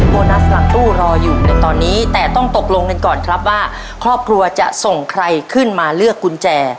โบนัสหลังตู้รออยู่ในตอนนี้แต่ต้องตกลงกันก่อนครับว่าครอบครัวจะส่งใครขึ้นมาเลือกกุญแจ